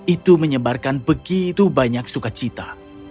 itu menyebarkan begitu banyak sukacita